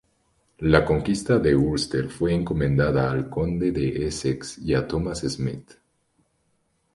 La conquista de Ulster fue encomendada al Conde de Essex y a Thomas Smith.